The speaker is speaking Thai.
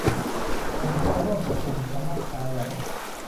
คนเข้าร่วมประชุมสมัชชาใหญ่